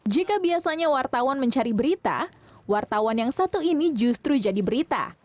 jika biasanya wartawan mencari berita wartawan yang satu ini justru jadi berita